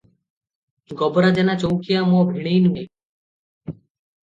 ଗୋବରା ଜେନା ଚୌକିଆ ମୋ ଭିଣୋଇ ନୁହେଁ ।